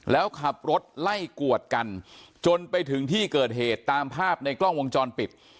แล้วขับรถไล่กวดกันจนไปถึงที่เกิดเหตุตามภาพในกล้องวงจรปิด